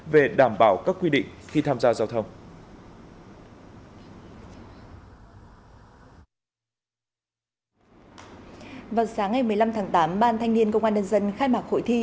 vào sáng ngày một mươi năm tháng tám ban thanh niên công an đân dân khai mạc hội thi